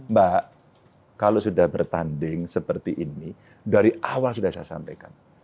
mbak kalau sudah bertanding seperti ini dari awal sudah saya sampaikan